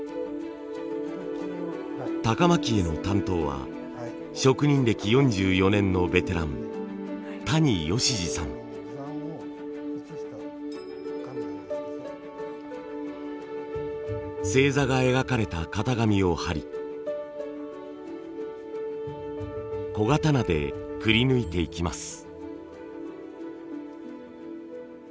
高蒔絵の担当は職人歴４４年のベテラン星座が描かれた型紙を貼り小刀でくり抜いていきます。